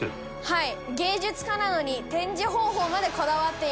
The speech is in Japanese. はい。